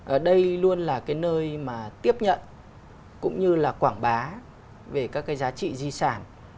ở đây luôn là cái nơi mà tiếp nhận cũng như là quảng bá về các cái giá trị di sản